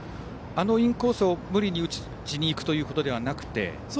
あのインコースを無理に打ちに行くということではなくて。